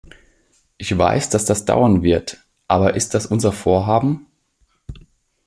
Ich weiß, dass das dauern wird, aber ist das unser Vorhaben?